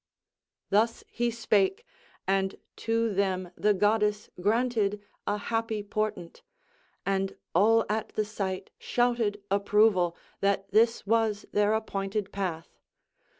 Thus he spake, and to them the goddess granted a happy portent, and all at the sight shouted approval, that this was their appointed path.